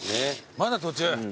まだ途中？